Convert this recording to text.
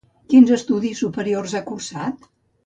Quins estudis superiors ha cursat?